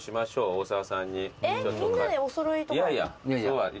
大沢さんに。